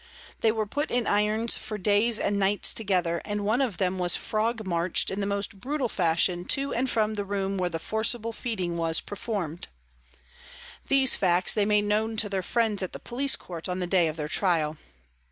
They were put in irons for days and nights together, and one of them was frog marched in the most brutal fashion to and from the room where the forcible feeding was performed. These facts they made known to their friends at the police court on the day of their trial.